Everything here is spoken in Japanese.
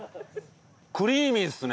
クリーミーっすね！